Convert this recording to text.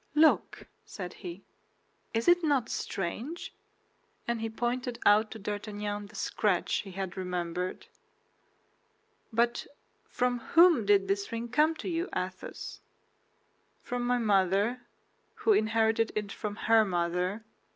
"Look," said he, "is it not strange?" and he pointed out to D'Artagnan the scratch he had remembered. "But from whom did this ring come to you, Athos?" "From my mother, who inherited it from her mother.